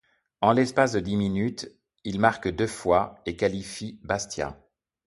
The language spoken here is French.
En l’espace de dix minutes, il marque deux fois et qualifie Bastia.